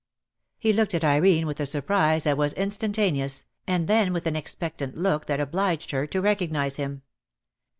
He looked at Irene with a surprise that was instantaneous, and then with an expectant look that obliged her to recognise him.